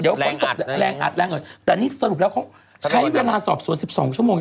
เนี้ยทั้งแรงแต่นี้สรุปแล้วเขาใช้เวลาสอบส่วนสิบสองชั่วโมง